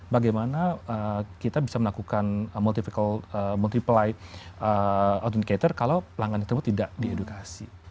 bagaimana kita bisa melakukan multiple authenticator kalau pelanggan tersebut tidak diedukasi